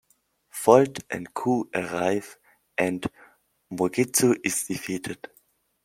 Volt and Kou arrive and Mugetsu is defeated.